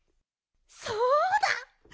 そうだ！